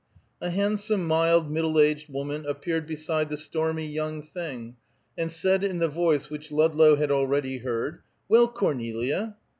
A handsome, mild, middle aged woman appeared beside the stormy young thing, and said in the voice which Ludlow had already heard, "Well, Cornelia!"